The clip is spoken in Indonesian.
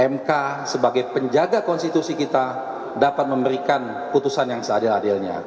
mk sebagai penjaga konstitusi kita dapat memberikan putusan yang seadil adilnya